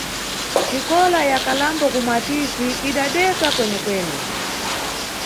Xikola ya Kalambo ku Mwatizi idadeka kwenekwene.